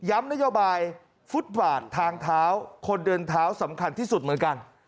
นโยบายฟุตบาททางเท้าคนเดินเท้าสำคัญที่สุดเหมือนกัน